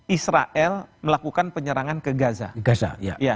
israel melakukan penyerangan ke gaza